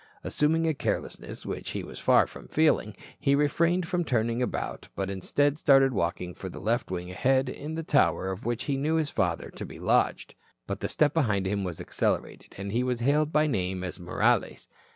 Assuming a carelessness which he was far from feeling, he refrained from turning about but instead started walking for that left wing ahead in the tower of which he knew his father to be lodged. But the step behind him was accelerated, and he was hailed by name as Morales.